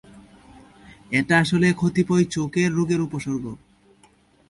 এটা আসলে কতিপয় চোখের রোগের উপসর্গ।